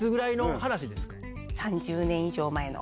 ３０年以上前の。